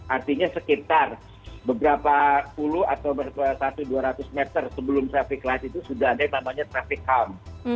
artinya sekitar beberapa puluh atau satu dua ratus meter sebelum traffic light itu sudah ada yang namanya traffic count